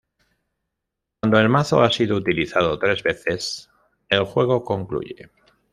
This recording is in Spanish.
Cuando el mazo ha sido utilizado tres veces, el juego concluye.